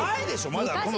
まだ。